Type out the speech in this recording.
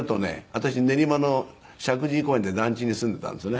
私練馬の石神井公園で団地に住んでいたんですよね。